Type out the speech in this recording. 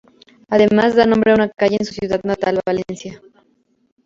Además, da nombre a una calle en su ciudad natal, Valencia.